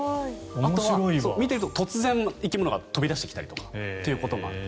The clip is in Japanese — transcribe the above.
あとは見ていると突然生き物が飛び出してきたりということもあって